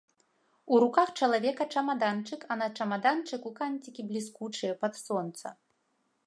У руках чалавека чамаданчык, а на чамаданчыку канцікі бліскучыя пад сонца.